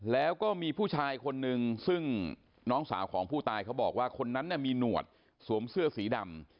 แล้วก็มีผู้ชายคนนึงซึ่งน้องสาวของผู้ตายเขาบอกว่าคนนั้นมีหนวดสวมเสื้อสีดำ